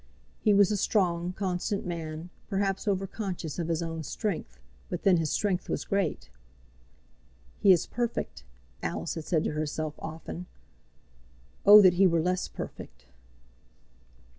He was a strong, constant man, perhaps over conscious of his own strength; but then his strength was great. "He is perfect!" Alice had said to herself often. "Oh that he were less perfect!"